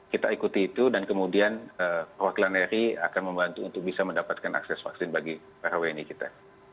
kita ikuti itu dan kemudian perwakilan ri akan membantu untuk bisa mendapatkan akses vaksin bagi para wni kita